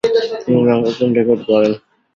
তিনি নতুন রেকর্ড গড়েন।